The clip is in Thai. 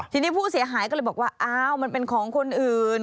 ทีนี้ผู้เสียหายก็เลยบอกว่าอ้าวมันเป็นของคนอื่น